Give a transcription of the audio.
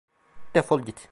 Defol git.